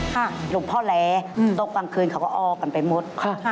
หลวงพ่อแหลตกกลางคืนเขาก็ออกกันไปหมดค่ะ